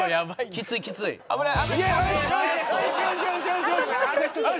「きついきつい」「危ない」「ああー！